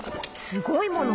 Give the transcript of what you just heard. すごいもの？